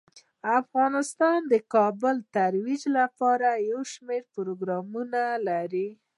افغانستان د کابل د ترویج لپاره یو شمیر پروګرامونه لري.